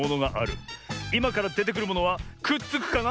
いまからでてくるものはくっつくかな？